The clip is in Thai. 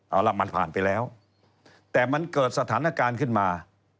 เอาล่ะมันผ่านไปแล้วแต่มันเกิดสถานการณ์ขึ้นมา